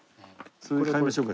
それ買いましょうか？